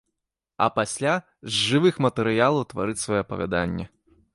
А пасля з жывых матэрыялаў тварыць свае апавяданні.